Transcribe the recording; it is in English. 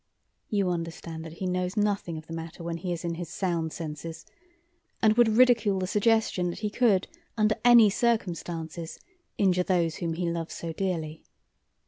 You understand that he knows nothing of the matter when he is in his sound senses, and would ridicule the suggestion that he could under any circumstances injure those whom he loves so dearly.